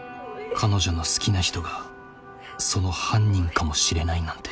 彼女の好きな人がその犯人かもしれないなんて。